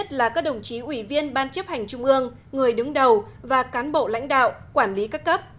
là các đồng chí ủy viên ban chấp hành trung ương người đứng đầu và cán bộ lãnh đạo quản lý các cấp